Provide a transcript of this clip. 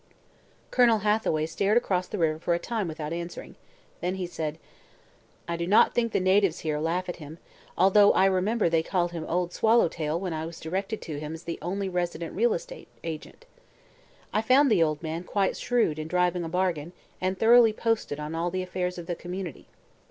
Colonel Hathaway stared across the river for a time without answering. Then he said: "I do not think the natives here laugh at him, although I remember they called him 'Old Swallowtail' when I was directed to him as the only resident real estate agent. I found the old man quite shrewd in driving a bargain and thoroughly posted on all the affairs of the community.